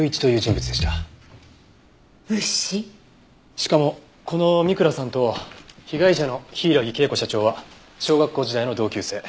しかもこの三倉さんと被害者の柊恵子社長は小学校時代の同級生。